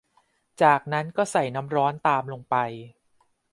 จากนั้นก็ใส่น้ำร้อนตามลงไป